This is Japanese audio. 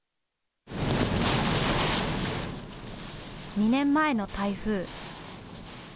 ２年前の台風。